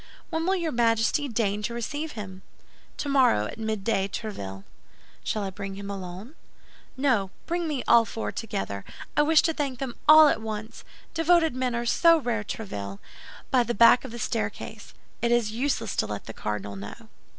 "When will your Majesty deign to receive him?" "Tomorrow, at midday, Tréville." "Shall I bring him alone?" "No, bring me all four together. I wish to thank them all at once. Devoted men are so rare, Tréville, by the back staircase. It is useless to let the cardinal know."